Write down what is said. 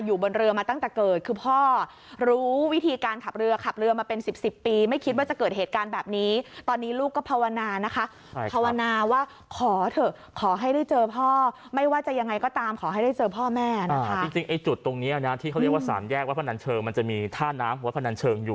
อยู่บนเรือมาตั้งแต่เกิดคือพ่อรู้วิธีการขับเรือขับเรือมาเป็นสิบสิบปีไม่คิดว่าจะเกิดเหตุการณ์แบบนี้ตอนนี้ลูกก็ภาวนานะคะภาวนาว่าขอเถอะขอให้ได้เจอพ่อไม่ว่าจะยังไงก็ตามขอให้ได้เจอพ่อแม่นะคะจริงไอ้จุดตรงเนี้ยนะที่เขาเรียกว่าสามแยกวัดพนันเชิงมันจะมีท่าน้ำวัดพนันเชิงอยู่